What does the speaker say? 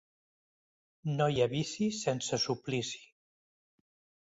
No hi ha vici sense suplici.